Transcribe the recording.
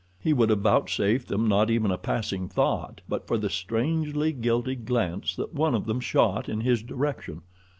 He would have vouchsafed them not even a passing thought but for the strangely guilty glance that one of them shot in his direction.